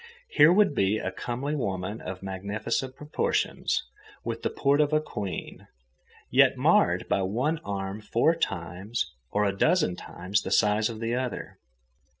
Here would be a comely woman of magnificent proportions, with the port of a queen, yet marred by one arm four times—or a dozen times—the size of the other.